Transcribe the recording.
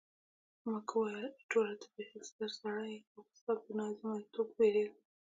مک وویل، ایټوره ته بیخي ستر سړی یې، خو زه ستا پر نظامیتوب بیریږم.